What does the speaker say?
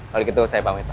kalau begitu saya pamit pak